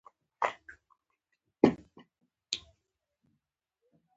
موږ د چا عیب په مستۍ او رندۍ نه کوو.